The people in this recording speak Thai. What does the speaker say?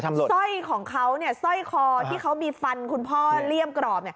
สร้อยของเขาที่เขามีฟันคุณพ่อเหลี่ยมกรอบ